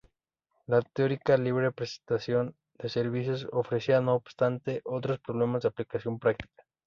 La teórica libre prestación de servicios ofrecía, no obstante, otros problemas de aplicación práctica.